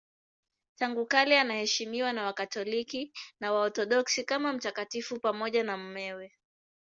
Tangu kale anaheshimiwa na Wakatoliki na Waorthodoksi kama mtakatifu pamoja na mumewe.